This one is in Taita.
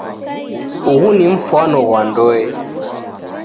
Ughu ni mfwano ghwa ndoe